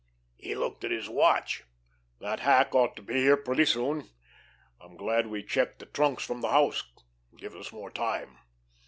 He looked at his watch. "That hack ought to be here pretty soon. I'm glad we checked the trunks from the house; gives us more time."